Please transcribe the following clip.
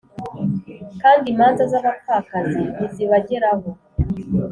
kandi imanza z’abapfakazi ntizibageraho